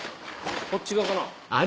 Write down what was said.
こっち側かな。